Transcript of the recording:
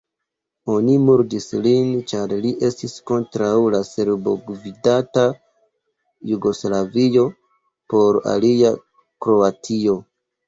Oni murdis lin, ĉar li estis kontraŭ la serboj-gvidata Jugoslavio, por alia Kroatio.